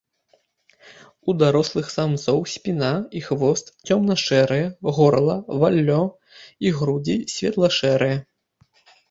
У дарослых самцоў спіна і хвост цёмна-шэрыя, горла, валлё і грудзі светла-шэрыя.